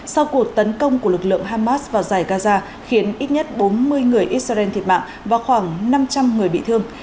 sau cuộc tấn công của lực lượng hamas vào giải gaza khiến ít nhất bốn mươi người israel thiệt mạng và khoảng năm trăm linh người bị thương